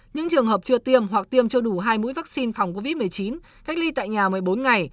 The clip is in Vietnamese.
những trường hợp chưa tiêm hoặc tiêm cho đủ hai mũi vaccine phòng covid một mươi chín cách ly tại nhà một mươi bốn ngày